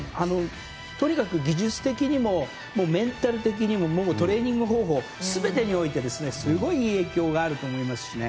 とにかく技術的にもメンタル的にもトレーニング方法は全てにおいてすごい、いい影響があると思いますしね。